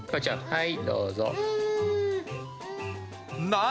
はい、どうぞ。